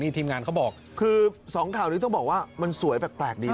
ทีมงานเขาบอกคือ๒ข่าวนี้ต้องบอกว่ามันสวยแปลกดี